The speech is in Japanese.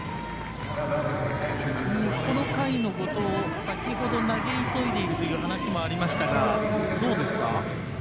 この回の後藤、先ほど投げ急いでいるという話もありましたがどうですか？